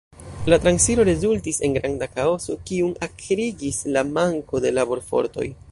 La transiro rezultis en granda kaoso, kiun akrigis la manko de laborfortoj.